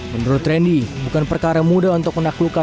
menurut randy bukan perkara mudah untuk menaklukkan